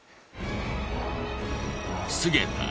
菅田